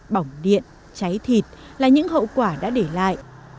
bỏng điện cháy thịt là những hậu quả đã để lại